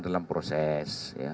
dalam proses ya